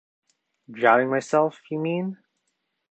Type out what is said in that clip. Drowning myself, you mean?